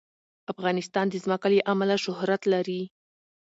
افغانستان د ځمکه له امله شهرت لري.